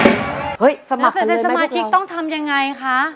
มาเป็นสมาชิกต้องทำยังไงคะ